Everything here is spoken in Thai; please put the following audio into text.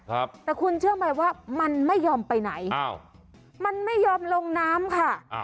แต่คุณเชื่อมัยว่ามันไม่ยอมไปไหนมันไม่ยอมลงน้ำค่ะ